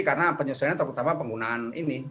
karena penyusunan terutama penggunaan ini